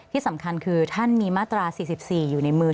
ที่สำคัญคือท่านมีมาตรา๔๔อยู่ในมือ